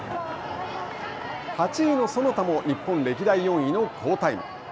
８位の其田も日本歴代４位の好タイム。